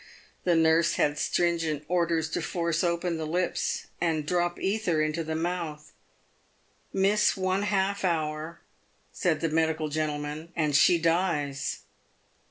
The nurse had stringent orders to force open the lips, and drop ether into the mouth. " Miss one half hour," said the medical gentleman, " and she dies."